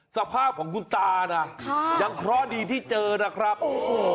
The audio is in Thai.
สภาพของคุณตานะค่ะยังเคราะห์ดีที่เจอนะครับโอ้โห